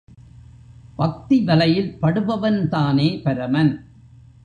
பக்தி வலையில் படுபவன் தானே பரமன்.